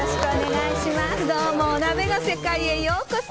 どうも、お鍋の世界へようこそ。